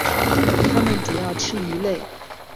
它们主要吃鱼类。